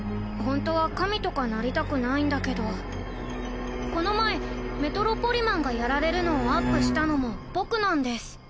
ホントは神とかなりたくないんだけどこの前メトロポリマンがやられるのをアップしたのも僕なんです